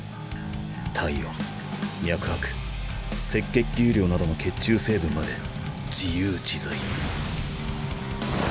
体温脈拍赤血球量などの血中成分まで「赤鱗躍動」。